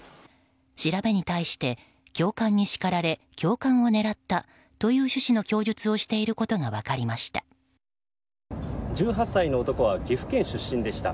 調べに対して、教官に叱られ教官を狙ったという趣旨の供述をしていることが分かりました。